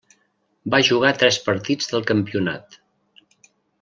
Va jugar tres partits del campionat.